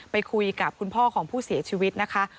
ไปคุยกับคุณพ่อของผู้เสียชีวิตนะคะ